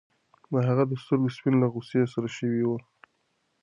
د هغه د سترګو سپین له غوسې سره شوي وو.